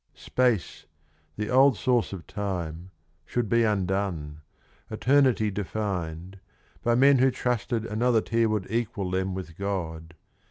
Space — the old source of time — should be undone, Eternity defined, by men who trusted Another tier would equal them with God.